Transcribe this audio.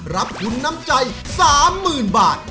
รับทุนน้ำใจ๓๐๐๐บาท